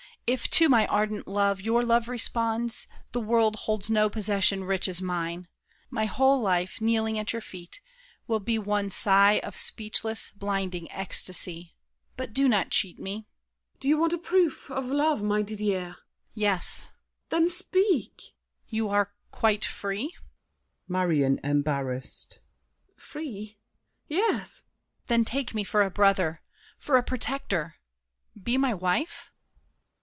If to my ardent love your love responds, The world holds no possession rich as mine! My whole life, kneeling at your feet, will be One sigh of speechless, blinding ecstasy. But do not cheat me! MARION. Do you want a proof Of love, my Didier? DIDIER. Yes! MARION. Then speak! DIDIER. You are— Quite free? MARION (embarrassed). Free? Yes! DIDIER. Then take me for a brother, For a protector—be my wife?